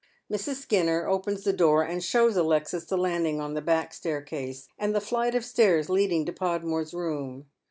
Mrs. Skinner opens the door and shows Alexis the landing on the back staircase, and the flight of stairs leading to Podmore's room.